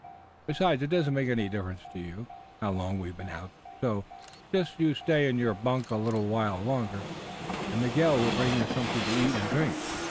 Besides, it don't make any difference to you how long we've been out. So, just you stay in your bunk a little while longer, and Miguel will bring you something to eat and drink."